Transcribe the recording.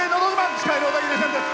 司会の小田切千です。